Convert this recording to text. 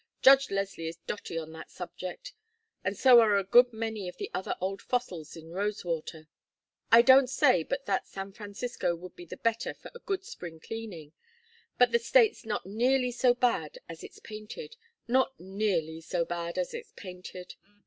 Judge Leslie is dotty on that subject, and so are a good many of the other old fossils of Rosewater. I don't say but that San Francisco would be the better for a good spring cleaning, but the State's not nearly so bad as it's painted, not nearly so bad as it's painted."